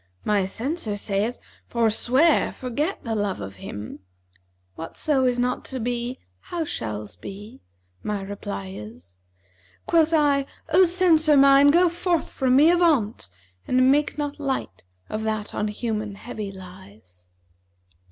My censor saith, 'Forswear, forget, the love of him,' * 'Whatso is not to be, how shall's be?' My reply is. Quoth I, 'O Censor mine, go forth from me, avaunt! * And make not light of that on humans heavy lies.'